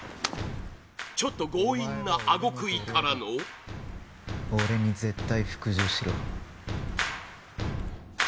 ちょっと強引な顎クイからの黒崎：俺に絶対服従しろ。